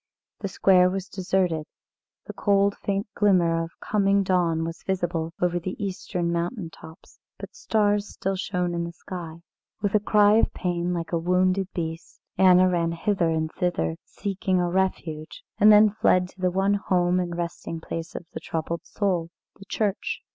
The square was deserted, the cold faint glimmer of coming dawn was visible over the eastern mountain tops, but stars still shone in the sky. With a cry of pain, like a wounded beast, Anna ran hither and thither seeking a refuge, and then fled to the one home and resting place of the troubled soul the church.